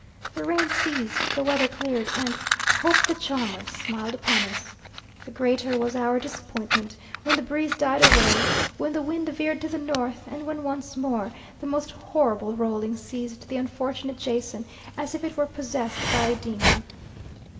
The rain ceased, the weather cleared, and "hope, the charmer," smiled upon us. The greater was our disappointment when the breeze died away, when the wind veered to the north, and when once more the most horrible rolling seized the unfortunate Jason, as if it were possessed by a demon.